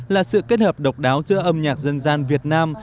là sự kết hợp độc đáo giữa âm nhạc dân gian việt nam